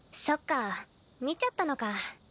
そっか見ちゃったのか。